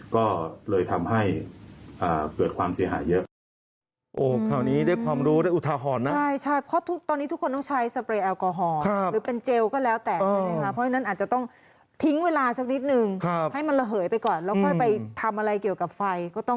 ก็เลยทำให้เกิดความเสียหายเยอะ